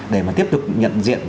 để mà tiếp tục nhận diện